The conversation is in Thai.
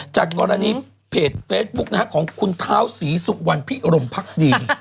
จากกรณีเพจเฟซบุ๊กนะฮะของคุณเท้าศรีสุวรรณพิรมพักดี